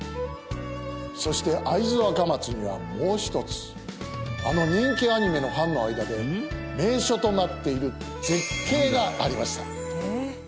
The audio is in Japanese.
そして会津若松にはもう一つあの人気アニメのファンの間で名所となっている絶景がありました。